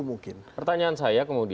masyarakat jakarta juga akhirnya menunggu